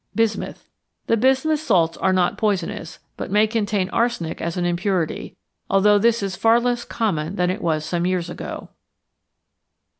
=Bismuth.= The bismuth salts are not poisonous, but may contain arsenic as an impurity, although this is far less common than it was some years ago.